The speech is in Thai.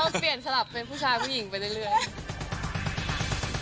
ก็เปลี่ยนสลับเป็นผู้ชายผู้หญิงไปเรื่อย